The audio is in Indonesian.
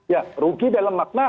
ya rugi dalam makna